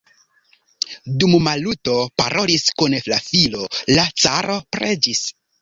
Dum Maluto parolis kun la filo, la caro preĝis.